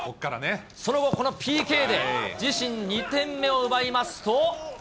その後、このＰＫで、自身２点目を奪いますと。